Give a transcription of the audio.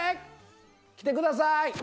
来てください！